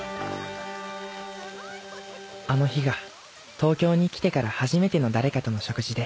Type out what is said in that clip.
あの日が東京に来てから初めての誰かとの食事で